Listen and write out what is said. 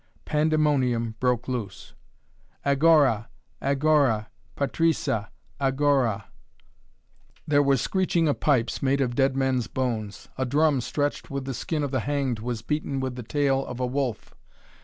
Pandemonium broke loose. "Agora! Agora! Patrisa! Agora!" There was screeching of pipes, made of dead men's bones. A drum stretched with the skin of the hanged was beaten with the tail of a wolf.